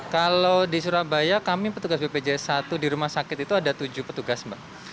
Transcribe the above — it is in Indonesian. kalau di surabaya kami petugas bpjs satu di rumah sakit itu ada tujuh petugas mbak